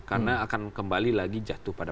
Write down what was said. karena akan kembali lagi jatuh pada